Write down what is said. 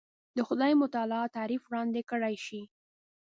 د خدای متعالي تعریف وړاندې کړای شي.